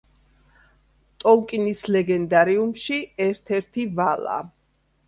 ტოლკინის ლეგენდარიუმში, ერთ-ერთი ვალა.